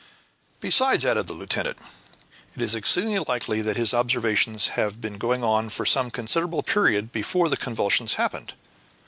"Besides," added the lieutenant, "it is exceedingly likely that his observations had been going on for some considerable period before the convulsion happened."